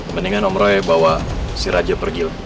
mendingan om roy bawa si raja pergi